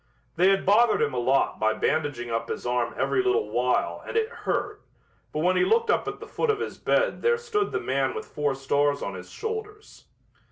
They had bothered him a lot by bandaging up his arm every little while and it hurt, but when he looked up at the foot of his bed there stood the man with four stars on his shoulders.